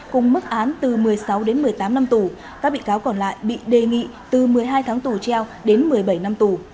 cùng mức án từ một mươi sáu đến một mươi tám năm tù các bị cáo còn lại bị đề nghị từ một mươi hai tháng tù treo đến một mươi bảy năm tù